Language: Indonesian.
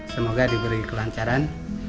semoga diberi kelancaran